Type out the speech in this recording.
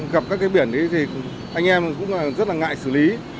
gặp các cái biển thì anh em cũng rất là ngại xử lý